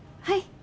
はい。